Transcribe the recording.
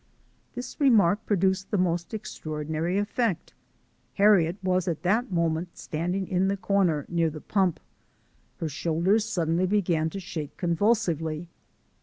This remark produced the most extraordinary effect. Harriet was at that moment standing in the corner near the pump. Her shoulders suddenly began to shake convulsively.